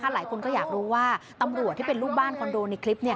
หลายคนก็อยากรู้ว่าตำรวจที่เป็นลูกบ้านคอนโดในคลิป